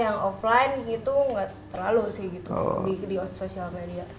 yang offline gitu nggak terlalu sih gitu di sosial media